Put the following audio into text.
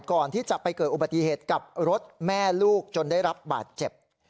ก่อนที่จะไปเกิดอุบัติเหตุกับรถแม่ลูกจนได้รับบาดเจ็บ